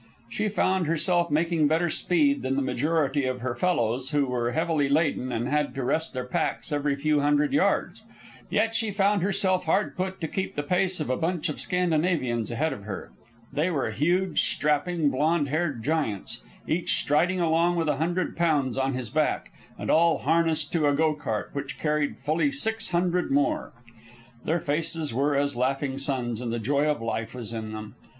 She found herself making better speed than the majority of her fellows, who were heavily laden and had to rest their packs every few hundred yards. Yet she found herself hard put to keep the pace of a bunch of Scandinavians ahead of her. They were huge strapping blond haired giants, each striding along with a hundred pounds on his back, and all harnessed to a go cart which carried fully six hundred more. Their faces were as laughing suns, and the joy of life was in them.